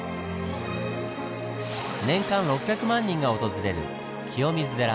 年間６００万人が訪れる清水寺。